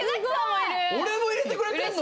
俺も入れてくれてるの！？